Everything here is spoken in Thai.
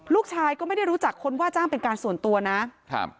ลูกชายก็ไม่ได้รู้จักคนว่าจ้างเป็นการส่วนตัวนะครับ